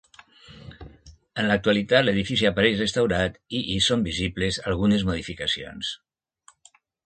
En l'actualitat l'edifici apareix restaurat, i hi són visibles algunes modificacions.